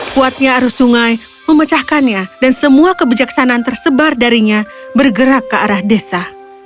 kuatnya arus sungai memecahkannya dan semua kebijaksanaan tersebar darinya bergerak ke arah desa